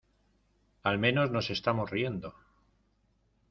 al menos nos estamos riendo.